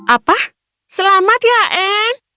apa selamat ya anne